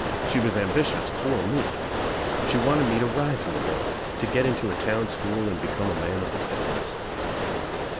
She was ambitious for me. She wanted me to rise in the world, to get into a town school and become a man of ttbe towns.